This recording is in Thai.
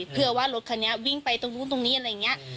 เพื่อว่ารถคันนี้วิ่งไปตรงนู้นตรงนี้อะไรอย่างนี้